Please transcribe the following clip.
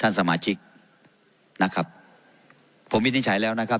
สมาชิกนะครับผมวินิจฉัยแล้วนะครับ